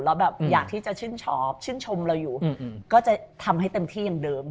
แล้วแบบอยากที่จะชื่นชอบชื่นชมเราอยู่ก็จะทำให้เต็มที่อย่างเดิม